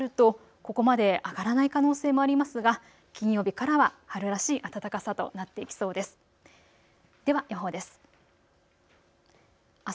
ここまで上がらない可能性もありますが金曜日からは春らしい暖かさとなってきそうです。